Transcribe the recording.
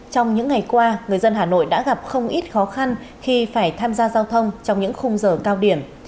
trong những ngày qua người dân hà nội đã gặp không ít khó khăn khi phải tham gia giao thông trong những khung giờ cao điểm